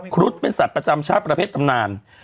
ครุฑเป็นสัตว์ประจำชาติประเภทตำนาน